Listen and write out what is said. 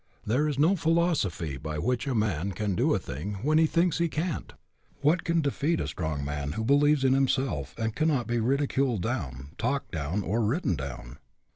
There is no philosophy by which a man can do a thing when he thinks he can't. What can defeat a strong man who believes in himself and cannot be ridiculed down, talked down, or written down?